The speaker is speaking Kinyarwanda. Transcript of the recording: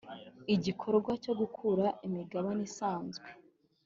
igikorwa cyo kugura imigabane isanzwe